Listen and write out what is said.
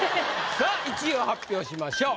さあ１位を発表しましょう。